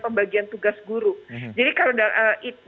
pembagian tugas guru jadi kalau